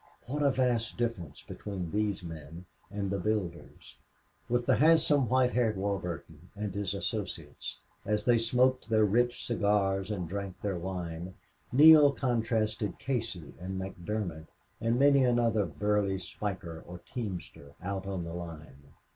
What a vast difference between these men and the builders! With the handsome white haired Warburton, and his associates, as they smoked their rich cigars and drank their wine, Neale contrasted Casey and McDermott and many another burly spiker or teamster out on the line.